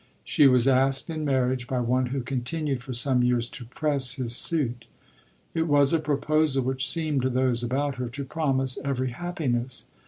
She was asked in marriage by one who continued for some years to press his suit. It was a proposal which seemed to those about her to promise every happiness.